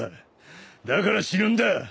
だから死ぬんだ！